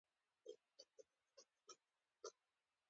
نو به د یوازیتوب احساس نه کوم